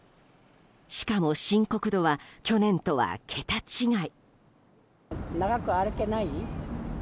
しかも深刻度は去年とは桁違い。